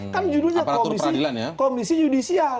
kan judulnya komisi judisial